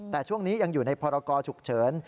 แต่ช่วงนี้ยังอยู่ในพรกรฉุกเฉิน